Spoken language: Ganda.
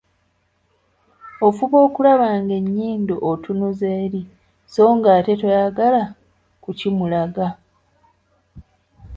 "Ofuba okulaba ng'ennyindo otunuza eri, so ng'ate toyagala kukimulaga."